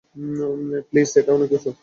Please, এটা অনেক উঁচু।